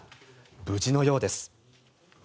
無事のようです。